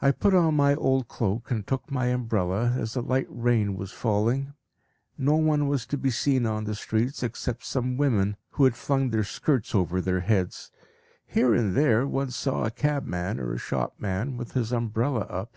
I put on my old cloak, and took my umbrella, as a light rain was falling. No one was to be seen on the streets except some women, who had flung their skirts over their heads. Here and there one saw a cabman or a shopman with his umbrella up.